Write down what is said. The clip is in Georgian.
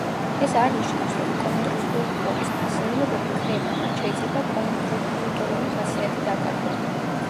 ეს არ ნიშნავს, რომ კონტრკულტურის ფასეულობები ქრება, მათ შეიძლება კონტრკულტურული ხასიათი დაკარგონ.